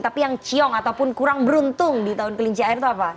tapi yang ciong ataupun kurang beruntung di tahun kelinci air itu apa